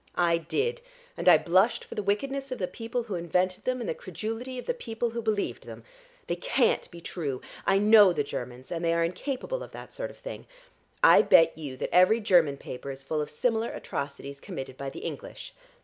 "I did, and I blushed for the wickedness of the people who invented them and the credulity of the people who believed them. They can't be true. I know the Germans, and they are incapable of that sort of thing. I bet you that every German paper is full of similar atrocities committed by the English."